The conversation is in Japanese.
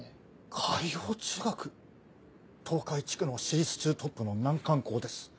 海王中学！東海地区の私立中トップの難関校です。